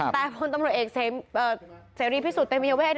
แต่คนตำรวจเอกเสร็จพิสูจน์เต็มไม่เยอะแว้น